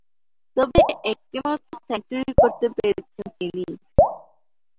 তবে, একটিমাত্র সেঞ্চুরি করতে পেরেছেন তিনি।